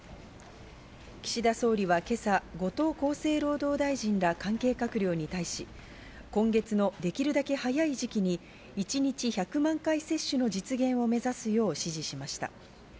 岸田総理は今朝、後藤厚生労働大臣ら関係閣僚に対し、今月のできるだけ早い時期に一日１００万回接種の実現を目指すよう指示しました。